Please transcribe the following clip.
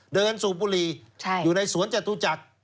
สูบบุหรี่อยู่ในสวนจตุจักร